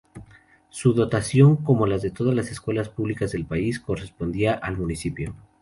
Su dotación, como la de todas las escuelas públicas del país, correspondía al municipio.